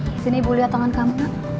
disini ibu lihat tangan kamu